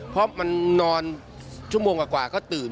เพราะมันนอนชั่วโมงกว่าก็ตื่น